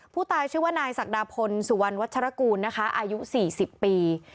ผู้ตายชื่อว่านายศักดาพลสุวรรณวัชรกูลนะคะอายุ๔๐ปี